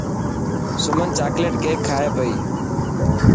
سمن چاڪليٽ ڪيڪ کائي پئي.